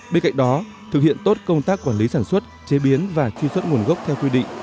bên cạnh đó thực hiện tốt công tác quản lý sản xuất chế biến và truy xuất nguồn gốc theo quy định